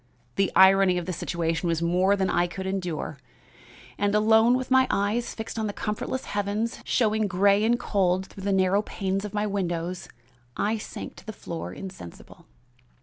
The irony of the situation was more than I could endure, and alone, with my eyes fixed on the comfortless heavens, showing gray and cold through the narrow panes of my windows, I sank to the floor insensible.